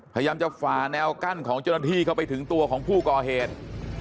พยายามจะฝ่าแนวกั้นของเจ้าหน้าที่เข้าไปถึงตัวของผู้ก่อเหตุ